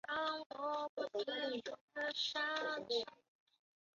它使得在纤维丛的截面上用一种不变形式来表达微分方程成为可能。